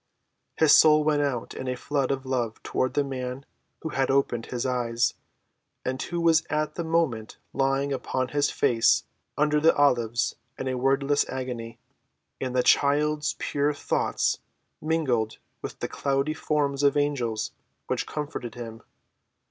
His soul went out in a flood of love toward the Man who had opened his eyes, and who was at that moment lying upon his face under the olives in a wordless agony, and the child's pure thoughts mingled with the cloudy forms of angels which comforted him.